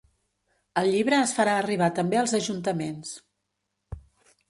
El llibre es farà arribar també als ajuntaments.